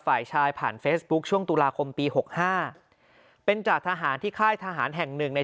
ฝ่ายชายผ่านเฟซบุ๊คช่วงตุลาคมปีหกห้าเป็นจากทหารที่ค่ายทหารแห่งหนึ่งใน